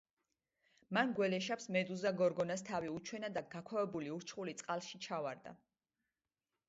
მან გველეშაპს მედუზა გორგონას თავი უჩვენა და გაქვავებული ურჩხული წყალში ჩავარდა.